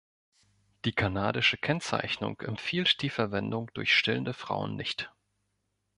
Die kanadische Kennzeichnung empfiehlt die Verwendung durch stillende Frauen nicht.